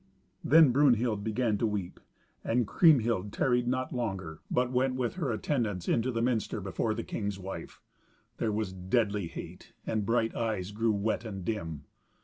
Then Brunhild began to weep, and Kriemhild tarried not longer, but went with her attendants into the minster before the king's wife. There was deadly hate, and bright eyes grew wet and dim.